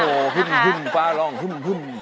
โอ้โหฮึ่มฟ้าลองฮึ่ม